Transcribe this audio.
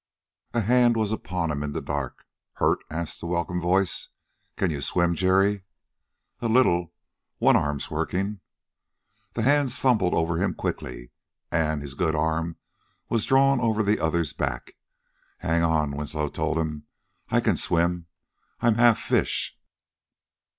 A hand was upon him in the dark. "Hurt?" asked the welcome voice. "Can you swim, Jerry?" "A little. One arm's working." The hands fumbled over him quickly, and his good arm was drawn over the other's back. "Hang on," Winslow told him. "I can swim. I'm half fish."